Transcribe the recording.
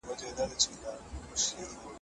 موږ باید له نړیوالو سره سیالي وکړو.